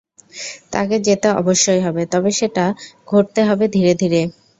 তাকে যেতে অবশ্যই হবে, তবে সেটা ঘটতে হবে ধীরে ধীরে।